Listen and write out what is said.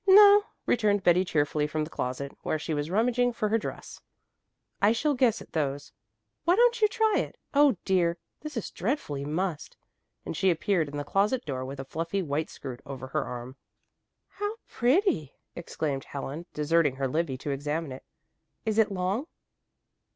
"No," returned Betty cheerfully from the closet, where she was rummaging for her dress. "I shall guess at those. Why don't you try it? Oh, dear! This is dreadfully mussed," and she appeared in the closet door with a fluffy white skirt over her arm. "How pretty!" exclaimed Helen, deserting her Livy to examine it. "Is it long?"